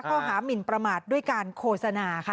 หมินประมาทด้วยการโฆษณาค่ะ